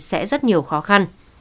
sẽ rất nhiều khó khăn